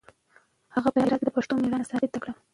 هغه په هرات کې د پښتنو مېړانه ثابته کړه.